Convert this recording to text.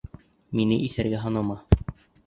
Мине иҫәргә һанама!